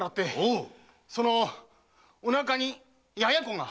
そのおなかに“ややこ”が！